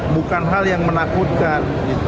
bukan hal yang menakutkan